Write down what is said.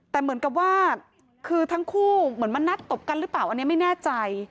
แต่เหมือนกับว่าคือทั้งคู่เหมือนมานัดตบกันหรือเปล่าอันนี้ไม่แน่ใจ